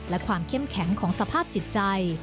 และความเข้มแข็งของสภาพจิตใจ